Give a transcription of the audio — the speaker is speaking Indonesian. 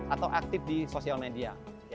atau aktif di sosial media